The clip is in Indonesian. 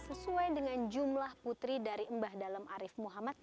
sesuai dengan jumlah putri dari mbah dalem arief muhammad